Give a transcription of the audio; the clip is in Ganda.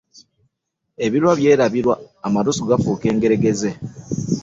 Ebirwa byerabirwa amalusu gafuuka engeregeze.